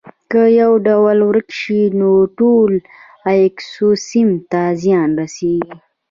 که یو ډول ورک شي نو ټول ایکوسیستم ته زیان رسیږي